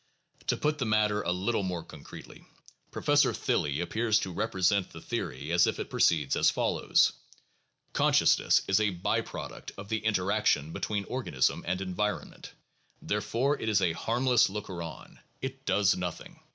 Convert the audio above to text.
To put the matter a little more concretely, Professor Thilly appears to represent the theory as if it proceeded as follows: Consciousness is a by product of the interaction between organ ism and environment; therefore, it is a harmless looker on, it does nothing.